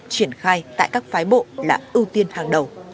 triển khai tại các phái bộ là ưu tiên hàng đầu